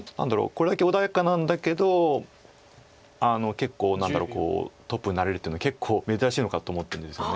これだけ穏やかなんだけど結構トップになれるっていうのは結構珍しいのかと思ってるんですよね。